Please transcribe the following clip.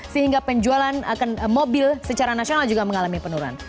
sehingga penjualan akan mobil secara nasional juga mengalami penurunan